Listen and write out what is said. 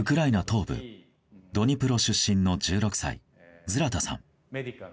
東部ドニプロ出身の１６歳、ズラタさん。